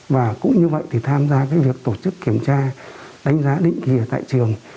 và cũng như vậy thì tham gia cái việc tổ chức kiểm tra đánh giá định kỳ tại trường